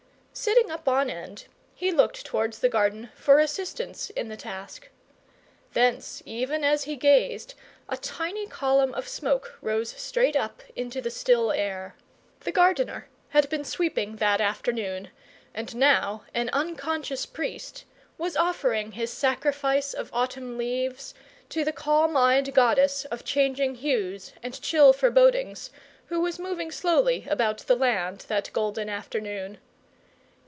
Sitting up on end, he looked towards the garden for assistance in the task. Thence, even as he gazed, a tiny column of smoke rose straight up into the still air. The gardener had been sweeping that afternoon, and now, an unconscious priest, was offering his sacrifice of autumn leaves to the calm eyed goddess of changing hues and chill forebodings who was moving slowly about the land that golden afternoon.